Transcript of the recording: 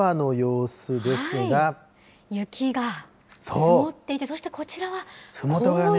雪が積もっていて、そしてこふもとが。